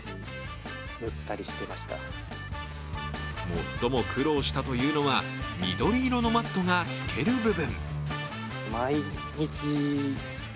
最も苦労したというのは緑色のマットが透ける部分。